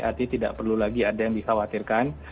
arti tidak perlu lagi ada yang disawatirkan